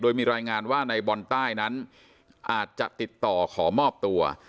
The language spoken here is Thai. โดยมีรายงานว่าในบอลใต้นั้นอาจจะติดต่อขอมอบตัว